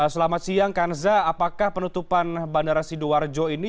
selamat siang kanza apakah penutupan bandara sidoarjo ini